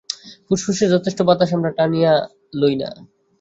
ফুসফুসে যথেষ্ট বাতাস আমরা টানিয়া লই না।